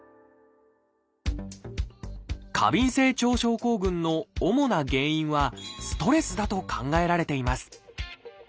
過敏性腸症候群の主な原因はストレスだと考えられています。